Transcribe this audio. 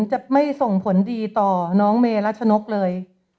จะไม่ส่งผลดีต่อน้องเมรัชนกเลย